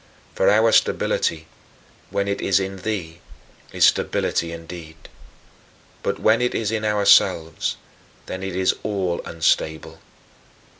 For our stability, when it is in thee, is stability indeed; but when it is in ourselves, then it is all unstable.